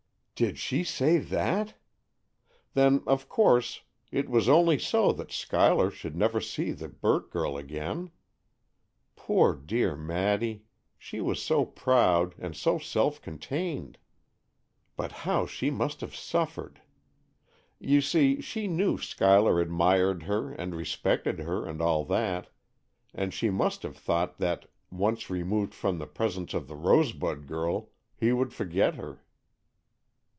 "Did she say that! Then, of course, it was only so that Schuyler should never see the Burt girl again. Poor, dear Maddy; she was so proud, and so self contained. But how she must have suffered! You see, she knew Schuyler admired her, and respected her and all that, and she must have thought that, once removed from the presence of the rosebud girl, he would forget her."